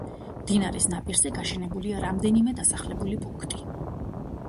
მდინარის ნაპირზე გაშენებულია რამდენიმე დასახლებული პუნქტი.